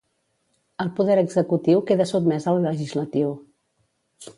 El poder executiu queda sotmès al legislatiu.